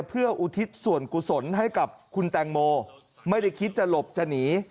เพื่ออุทิศส่วนกุศลให้กับคุณแตงโมไม่ได้คิดจะหลบจะหนี